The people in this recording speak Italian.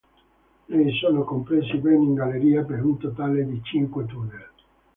Nei sono compresi ben in galleria, per un totale di cinque tunnel.